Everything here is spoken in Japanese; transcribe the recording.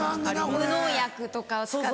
無農薬とかを。